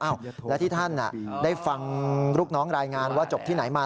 แล้วที่ท่านได้ฟังลูกน้องรายงานว่าจบที่ไหนมา